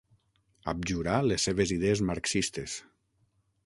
Abjurà les seves idees marxistes.